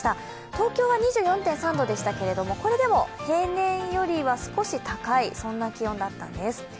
東京は２４．３度でしたけどこれでも平年よりは少し高いそんな気温だったんです。